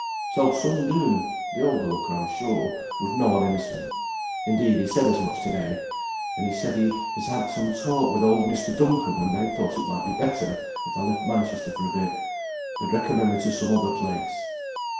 "So some do; the overlooker, I'm sure, would know I'm innocent. Indeed, he said as much to day; and he said he had had some talk with old Mr. Duncombe, and they thought it might be better if I left Manchester for a bit; they'd recommend me to some other place."